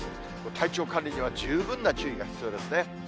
体調管理には十分な注意が必要ですね。